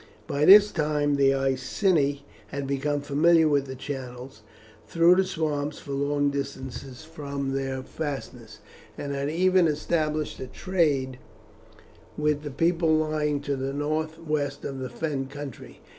By this time the Iceni had become familiar with the channels through the swamps for long distances from their fastness, and had even established a trade with the people lying to the northwest of the Fen country.